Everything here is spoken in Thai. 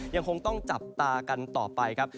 ยังคงต้องจับตากันต่อไปครับ